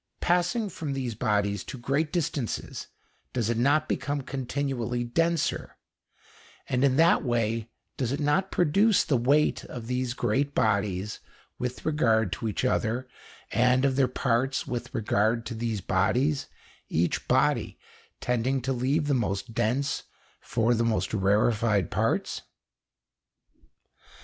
Passing from these bodies to great distances, does it not become continually denser, and in that way does it not produce the weight of these great bodies with regard to each other and of their parts with regard to these bodies, each body tending to leave the most dense for the most rarefied parts?"